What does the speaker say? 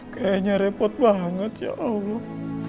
kayaknya repot banget ya allah